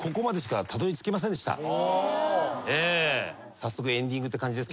早速エンディングって感じですけども。